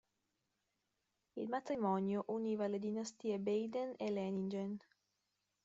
Il matrimonio univa le dinastie Baden e Leiningen.